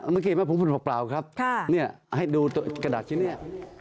เมื่อกี้เห็นไหมผมพูดด้วยปากเปล่าครับให้ดูกระดาษชิ้นนี้